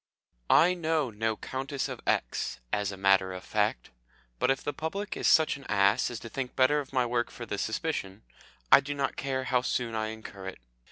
I know no Countess of X., as a matter of fact, but if the public is such an ass as to think better of my work for the suspicion, I do not care how soon I incur it.